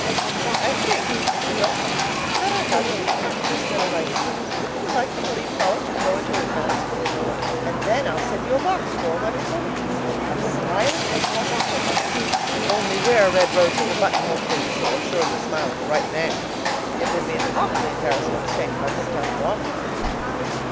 I think, if you don't mind, that I'd rather be an actress than a writer. Wouldn't you like me to leave college and go into a dramatic school? And then I'll send you a box for all my performances, and smile at you across the footlights. Only wear a red rose in your buttonhole, please, so I'll surely smile at the right man. It would be an awfully embarrassing mistake if I picked out the wrong one.